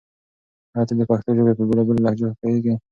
آیا ته د پښتو ژبې په بېلا بېلو لهجو پوهېږې؟